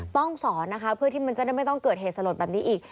ต้องสอนนะคะเพื่อที่มันจะได้ไม่ต้องเกิดเหตุสลดแบบนี้อีก